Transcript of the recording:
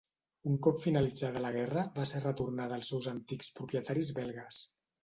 Un cop finalitzada la guerra va ser retornada als seus antics propietaris belgues.